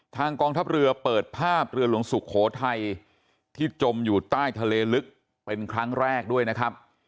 กองทัพเรือเปิดภาพเรือหลวงสุโขทัยที่จมอยู่ใต้ทะเลลึกเป็นครั้งแรกด้วยนะครับ